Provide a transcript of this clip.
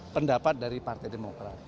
pendapat dari partai demokrat